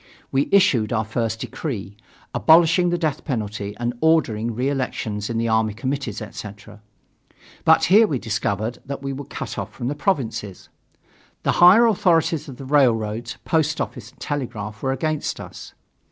We issued our first decree, abolishing the death penalty and ordering reelections in the army committees, etc. But here we discovered that we were cut off from the provinces. The higher authorities of the railroads, post office and telegraph were against us.